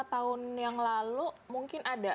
lima tahun yang lalu mungkin ada